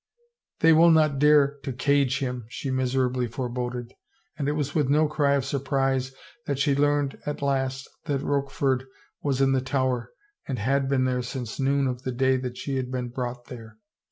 " They will not dare not to cage him," she miserably foreboded, and it was with no cry of surprise that she learned at last that Rochford was in the Tower and had been there since noon of the day that she had been brought there.